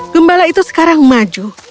gembala itu sekarang maju